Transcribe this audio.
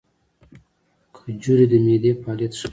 کجورې د معدې فعالیت ښه کوي.